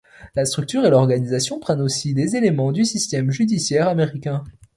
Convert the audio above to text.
La structure et l'organisation prennent aussi des éléments du système judiciaire américain.